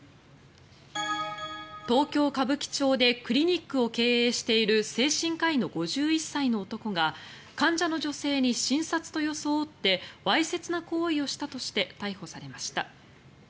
東京・歌舞伎町でクリニックを経営している精神科医の５１歳の男が患者の女性に診察と装ってわいせつな行為をしたとして逮捕されました。